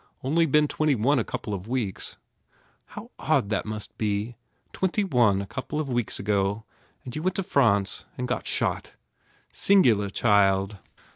Only been twenty one a couple of weeks." "How odd that must be ! Twenty one a couple of weeks ago. And you went to France and got shot. Singular child!"